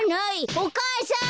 お母さん！